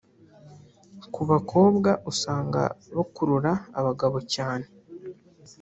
Ku bakobwa usanga bakurura abagabo cyane